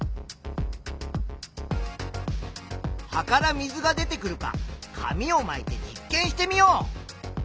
葉から水が出てくるか紙をまいて実験してみよう。